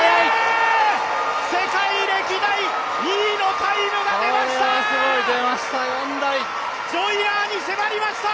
世界歴代２位のタイムが出ました！